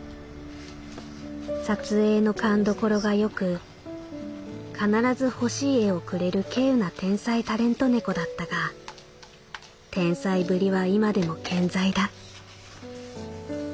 撮影の勘所がよく必ず欲しい画をくれる希有な天才タレント猫だったが天才ぶりは今でも健在だ」。